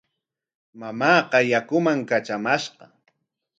Mamaaqa yakuman katramashqa.